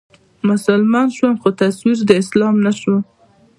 مسلمان شوم خو تصوير د اسلام نه شوم